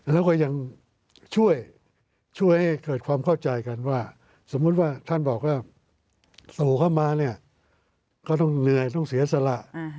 แล้วก็ยังช่วยให้เกิดความเข้าใจกันว่าสมมุติว่าท่านบอกว่าโผล่เข้ามาเนี่ยก็ต้องเหนื่อยต้องเสียสละ